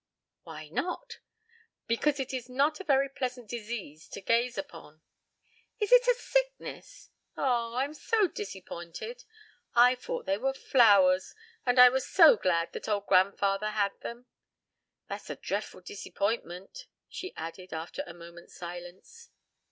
'" "Why not?" "Because it is not a very pleasant disease to gaze upon." "Is it a sickness? Oh, I'm so disypointed. I fought they were flowers, and I was so glad the old grandfather had them. That's a dreffel disypointment," she added, after a moment's silence.